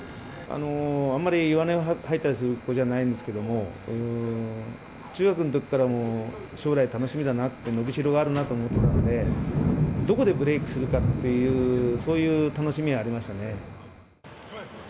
あんまり弱音を吐いたりする子じゃないんですけれども、中学のときからもう将来楽しみだなって、伸びしろがあるなと思ってたんで、どこでブレークするかっていう、そういう楽しみがありましたね。